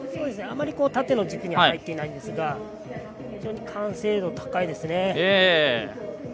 あまり縦の軸に入ってないんですが、非常に完成度高いですね。